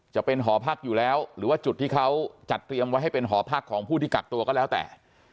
จะเป็นหอพักอยู่แล้วหรือว่าจุดที่เขาจัดเตรียมไว้ให้เป็นหอพักของผู้ที่กักตัวก็แล้วแต่